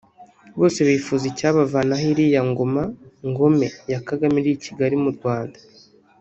bose bifuza icyavanaho iriya ngoma ngome ya Kagame iri i Kigali mu Rwanda